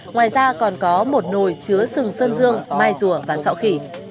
ngoài ra còn có một nồi chứa sừng sơn dương mai rùa và sọ khỉ